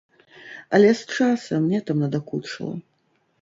Але з часам мне там надакучыла.